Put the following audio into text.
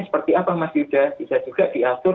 seperti apa mas yuda bisa juga diatur